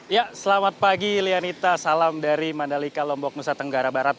ya selamat pagi lianita salam dari mandalika lombok nusa tenggara barat